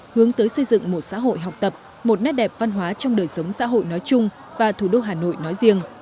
hướng tới xây dựng một xã hội học tập một nét đẹp văn hóa trong đời sống xã hội nói chung và thủ đô hà nội nói riêng